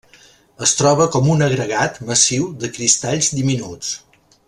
Es troba com un agregat massiu de cristalls diminuts.